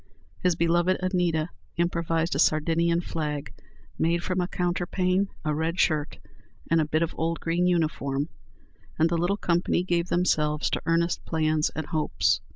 His beloved Anita improvised a Sardinian flag, made from a counterpane, a red shirt, and a bit of old green uniform; and the little company gave themselves to earnest plans and hopes.